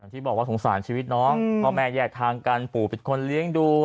ที่บอกสงสารชีวิตน้องเพราะแม่แยกทางการปู่พิศคลเรียนดู